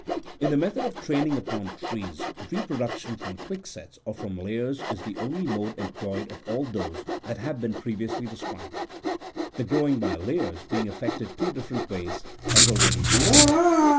In the method of training upon trees, reproduction from quicksets or from layers is the only mode employed of all those that have been previously described ; the growing by layers being effected two different ways, as already mentioned.